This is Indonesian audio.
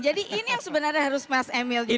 jadi ini yang sebenarnya harus mas emil